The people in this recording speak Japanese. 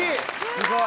すごい。